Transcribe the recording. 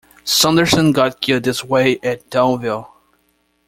Sanderson got killed this way at Douinville.